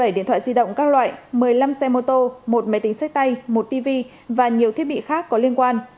bảy điện thoại di động các loại một mươi năm xe mô tô một máy tính sách tay một tv và nhiều thiết bị khác có liên quan